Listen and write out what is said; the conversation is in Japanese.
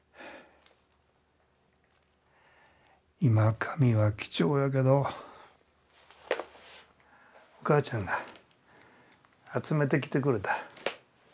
今紙は貴重やけどお母ちゃんが集めてきてくれた。